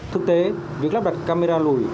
thực tế việc lắp đặt camera lùi